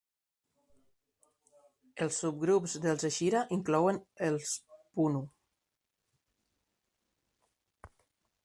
Els subgrups dels Eshira inclouen els Punu.